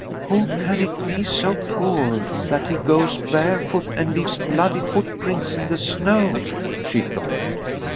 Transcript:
"Who can it be so poor that he goes barefoot and leaves bloody footprints in the snow?" she thought.